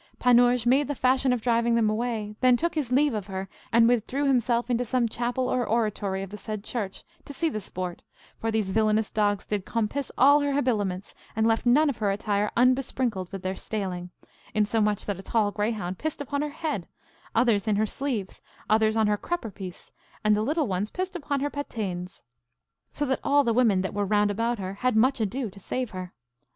Panurge made the fashion of driving them away; then took his leave of her and withdrew himself into some chapel or oratory of the said church to see the sport; for these villainous dogs did compiss all her habiliments, and left none of her attire unbesprinkled with their staling; insomuch that a tall greyhound pissed upon her head, others in her sleeves, others on her crupper piece, and the little ones pissed upon her pataines; so that all the women that were round about her had much ado to save her.